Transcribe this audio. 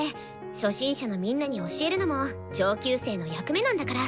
初心者のみんなに教えるのも上級生の役目なんだから。